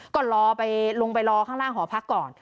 ก็รอไปลงไปรอข้างล่างหอพักก่อน